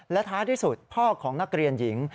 และท้ายที่สุดพ่อของนักเรียนหญิง